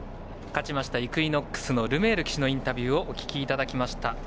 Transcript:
勝ちましたイクイノックスのルメール騎手のインタビューをお聞きいただきまた。